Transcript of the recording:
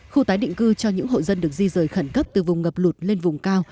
khu tái định cư cho những hộ dân được di rời khẩn cấp từ vùng ngập lụt lên vùng cao